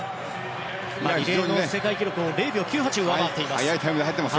リレーの世界記録を０秒９８上回っています。